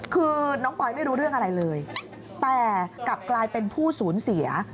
คือน้องปอยไม่รู้เรื่องอะไรเลยแต่กลับกลายเป็นผู้สูญเสีย